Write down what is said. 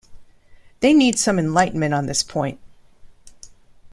They need some enlightenment on this point.